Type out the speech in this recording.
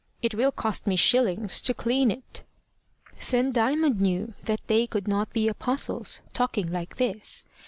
It will cost me shillings to clean it." Then Diamond knew that they could not be Apostles, talking like this.